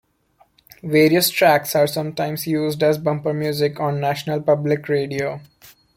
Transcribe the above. Various tracks are sometimes used as bumper music on National Public Radio.